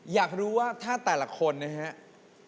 อยากรู้ว่าถ้าแต่ละคนนะครับ